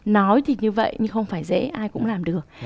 nói thì như vậy nhưng không phải dễ ai cũng làm được